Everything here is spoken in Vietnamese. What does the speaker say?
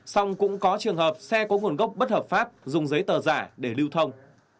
xong cũng có trường hợp xe có nguồn gốc bất hợp pháp dùng giấy tờ giả để lưu thông